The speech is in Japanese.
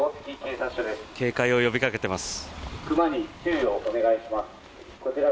警戒を呼びかけています。